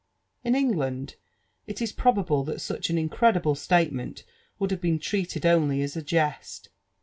In England it is probable that such an incredible statemeat would have been treated only as a jest.